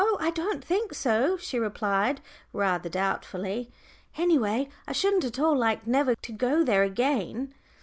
I don't think so," she replied, rather doubtfully. "Any way, I shouldn't at all like never to go there again."